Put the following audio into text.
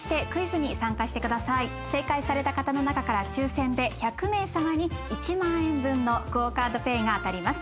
正解された方の中から抽選で１００名さまに１万円分のＱＵＯカードＰａｙが当たります。